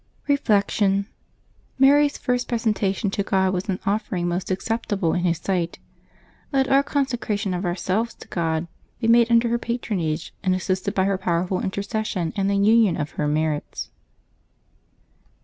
Reflection. — Mary's first presentation to God was an offering most acceptable in His sight. Let our consecra tion of ourselves to God be made under her patronage, and assisted by her powerful intercession and the union of her merits.